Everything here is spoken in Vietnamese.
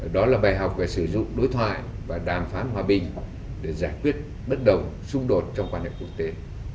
đó là bài học về sử dụng đối thoại và đàm phán hòa bình để giải quyết bất đồng xung đột trong quan hệ quốc tế